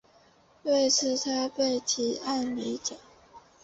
为此他被提名艾美奖。